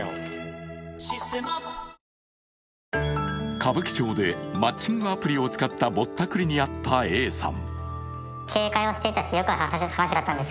歌舞伎町でマッチングアプリを使ったぼったくりにあったＡさん。